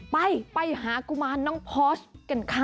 ไปไปหากุมารน้องพอสกันค่ะ